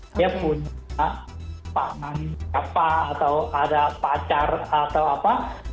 saya punya pangan japa atau ada pacar atau apa